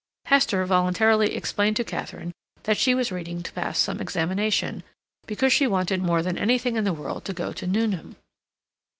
Hester voluntarily explained to Katharine that she was reading to pass some examination, because she wanted more than anything in the whole world to go to Newnham.